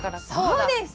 そうです！